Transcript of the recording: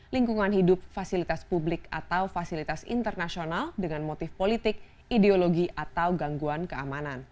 lingkungan hidup fasilitas publik atau fasilitas internasional dengan motif politik ideologi atau gangguan keamanan